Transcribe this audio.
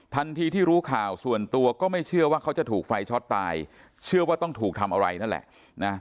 ทันทีที่รู้ข่าวส่วนตัวก็ไม่เชื่อว่าเขาจะถูกไฟช็อตตายเชื่อว่าต้องถูกทำอะไรนั่นแหละนะ